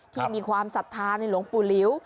ที่มีความศรัทธาในหลวงปู่หลิว